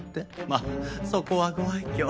まあそこはご愛敬。